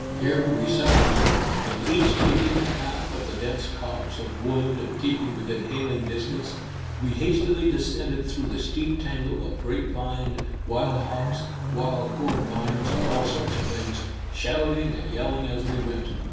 Here we separated, and each taking a half of the dense copse of wood and keeping within hailing distance, we hastily descended through the steep tangle of grapevine, wild hops, wild gourdvines and all sorts of things, shouting and yelling as we went.